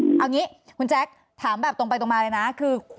เอางี้คุณแจ๊คถามแบบตรงไปตรงมาเลยนะคือ